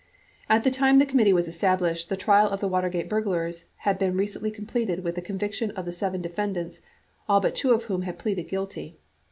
At the time the committee was established, the trial of the Watergate burglars had been recently completed with the conviction of the seven defendants, all but two of whom had pleaded guilty.